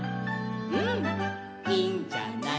「うん、いいんじゃない」